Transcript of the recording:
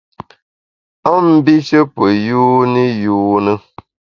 A mbishe pe yuni yune.